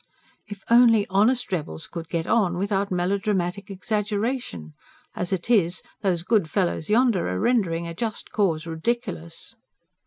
"If only honest rebels could get on without melodramatic exaggeration! As it is, those good fellows yonder are rendering a just cause ridiculous."